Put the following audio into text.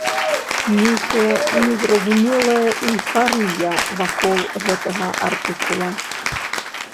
Нейкая незразумелая эйфарыя вакол гэтага артыкула.